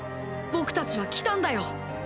僕たちは来たんだよ